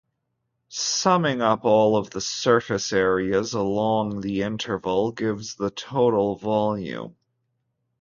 Summing up all of the surface areas along the interval gives the total volume.